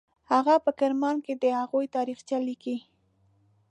هغه په کرمان کې د هغوی تاریخچه لیکي.